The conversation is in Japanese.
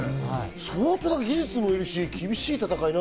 相当技術もいるし厳しい戦い。